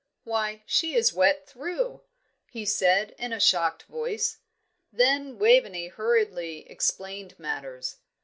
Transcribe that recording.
"Why, she is wet through!" he said, in a shocked voice. Then Waveney hurriedly explained matters.